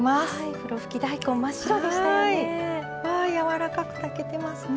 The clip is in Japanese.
ふろふき大根真っ白でしたよね。わやわらかく炊けてますね。